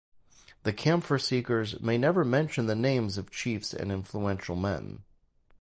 The camphor-seekers may never mention the names of chiefs and influential men.